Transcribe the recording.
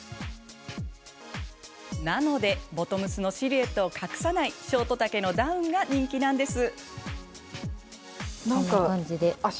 なのでボトムスのシルエットを隠さないショート丈のダウンが人気なんです。